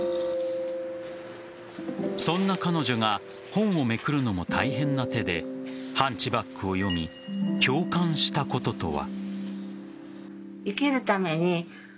そんな彼女が本をめくるのも大変な手で「ハンチバック」を読み共感したこととは。